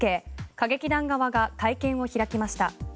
歌劇団側が会見を開きました。